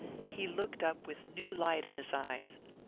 He looked up with new light in his eyes.